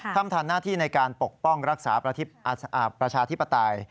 ท่านทำหน้าที่ในการปกป้องรักษาประชาธิปไตย